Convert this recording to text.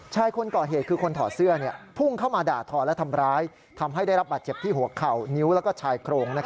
ใช่คนก่อเหตุคือคนถอเสื้อเนี่ย